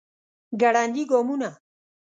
ګړندي ګامونه